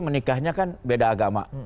menikahnya kan beda agama